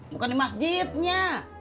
bukan di masjidnya